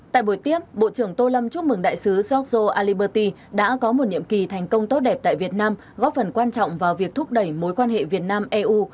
tại buổi tiếp bộ trưởng tô lâm chúc mừng đại sứ georgio aliberti đã có một nhiệm kỳ thành công tốt đẹp tại việt nam góp phần quan trọng vào việc thúc đẩy mối quan hệ việt nam eu